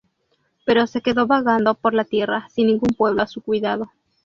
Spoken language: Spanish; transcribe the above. Pero se quedó vagando por la tierra, sin ningún pueblo a su cuidado.